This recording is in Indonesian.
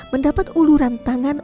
mendapat uluran tangan